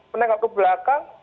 menengok ke belakang